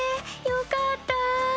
よかった。